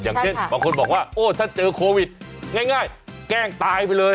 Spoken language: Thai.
บางคนมีค่าวะเจอโควิดง่ายแกล้งตายไปเลย